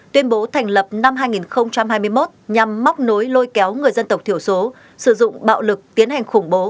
tuyên bố thành lập năm hai nghìn hai mươi một nhằm móc nối lôi kéo người dân tộc thiểu số sử dụng bạo lực tiến hành khủng bố